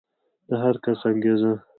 د هر کس انګېزه